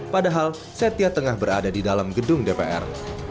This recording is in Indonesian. padahal setia tengah berada di dalam gedung dpr